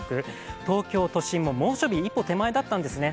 東京都心も猛暑日一歩手前だったんですね。